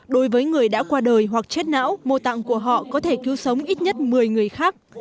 đối với người đã qua đời hoặc chết não mô tạng của họ có thể cứu sống ít nhất một mươi người khác